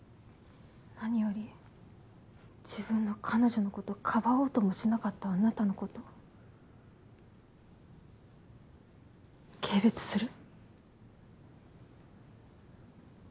何より自分の彼女のことかばおうともしなかったあなたのこと軽蔑する。